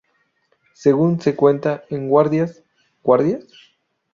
Según se cuenta en "¡Guardias!¿Guardias?